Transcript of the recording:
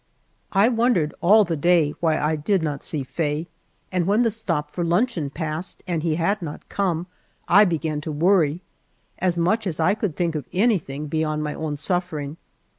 I wondered all the day why I did not see Faye and when the stop for luncheon passed and he had not come I began to worry, as much as I could think of anything beyond my own suffering.